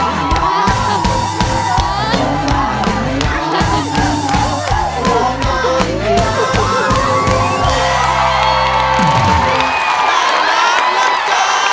ด้านร้านนักจอด